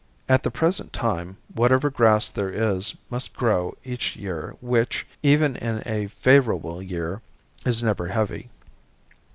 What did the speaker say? At the present time whatever grass there is must grow each year which, even in a favorable year, is never heavy.